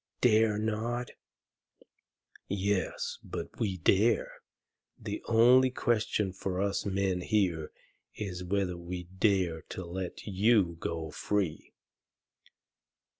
"Dare not? YES, BUT WE DARE. The only question for us men here is whether we dare to let you go free."